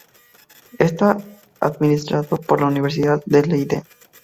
Está administrado por la Universidad de Leiden.